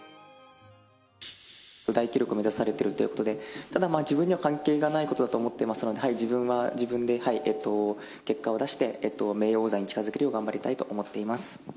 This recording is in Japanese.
大記録を目指されているということで、ただ自分には関係のないことだと思っておりますので、自分は自分で結果を出して、名誉王座に近づけるよう、頑張りたいと思っております。